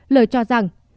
l cho rằng